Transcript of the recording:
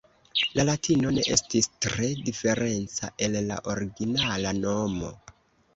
La Latino ne estis tre diferenca el la originala nomo.